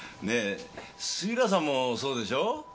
杉浦さんもそうでしょ？